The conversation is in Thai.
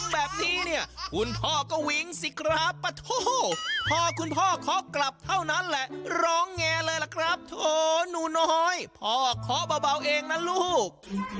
แล้วคุณพ่อก็วิ้งสิครับว้าวพ่อคุณพ่อขอกลับเท่านั้นแหละร้องแง่เลยล่ะครับโถ่หนูน้อยพ่อขอเป็นบ่าวเองนะลูก